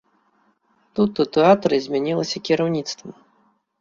Тут у тэатры змянілася кіраўніцтва.